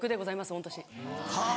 御年。